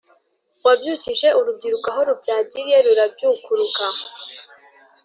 Wabyukije urubyiruko aho rubyagiye rurabyukuruka